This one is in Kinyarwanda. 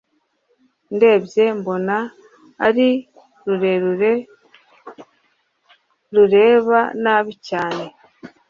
ndebye mbona ni rurerure rureba nabi cyane